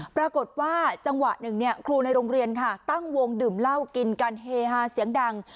ปรากฏว่าจังหวะหนึ่งครูในโรงเรียนค่ะตั้งวงดื่มเหล้ากินกันเฮฮาเสียงดัง